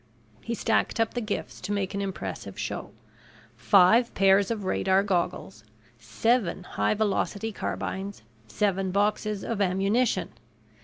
He stacked up the gifts to make an impressive show: five pairs of radar goggles, seven high velocity carbines, seven boxes of ammunition.